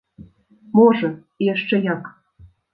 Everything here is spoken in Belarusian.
Можа, і яшчэ як!